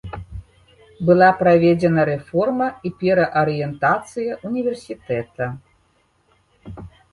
Была праведзена рэформа і пераарыентацыя ўніверсітэта.